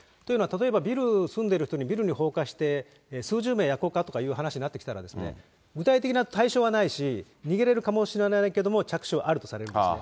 というのは、例えば、ビルに住んでる人に、ビル放火して、数十名焼こうかという話になってきたら、具体的な対象はないし、逃げれるかもしれないけども着手はあるとされるんですね。